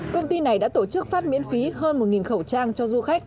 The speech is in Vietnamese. công ty này đã tổ chức phát miễn phí hơn một khẩu trang cho du khách